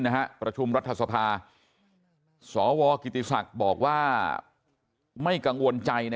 ประชุมรัฐสภาสวกิติศักดิ์บอกว่าไม่กังวลใจนะ